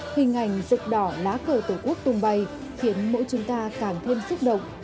hình ảnh rực đỏ lá cờ tổ quốc tung bay khiến mỗi chúng ta càng thêm xúc động